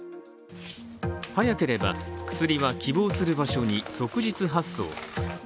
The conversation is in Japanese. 早ければ薬は希望する場所に即日発送。